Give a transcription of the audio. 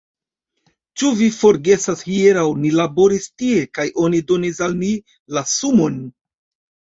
Ĉu vi forgesas hieraŭ ni laboris tie kaj oni donis al ni la sumon!